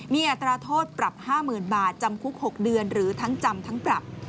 มีอัตราโทษปรับ๕๐๐๐บาทจำคุก๖เดือนหรือทั้งจำทั้งปรับ